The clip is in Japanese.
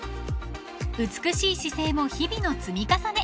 ［美しい姿勢も日々の積み重ね］